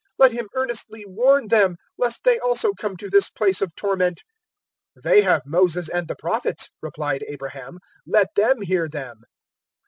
Let him earnestly warn them, lest they also come to this place of torment.' 016:029 "`They have Moses and the Prophets,' replied Abraham; `let them hear them.'